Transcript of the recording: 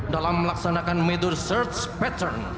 dalam melaksanakan metode search pattern